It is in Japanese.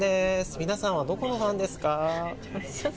皆さんは、どこのファンですか。